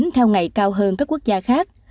theo ngày cao hơn các quốc gia khác